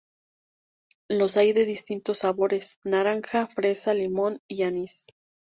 Los hay de distintos sabores: naranja, fresa, limón y anís.